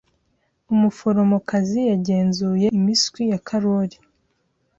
Umuforomokazi yagenzuye impiswi ya Karoli.